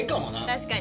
確かに。